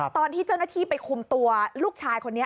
ตอนที่เจ้าหน้าที่ไปคุมตัวลูกชายคนนี้